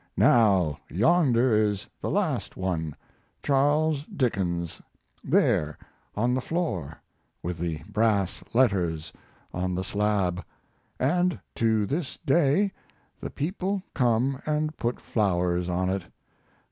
Now yonder is the last one Charles Dickens there on the floor, with the brass letters on the slab and to this day the people come and put flowers on it....